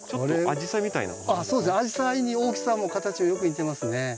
アジサイに大きさも形もよく似てますね。